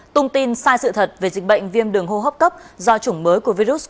tung tin sai sự thật về dịch bệnh viêm đường hô hấp cấp do chủng mới của virus corona